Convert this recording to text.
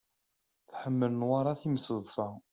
Tḥemmel Newwara timseḍṣa.